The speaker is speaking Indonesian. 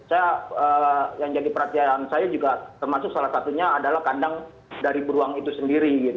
saya yang jadi perhatian saya juga termasuk salah satunya adalah kandang dari beruang itu sendiri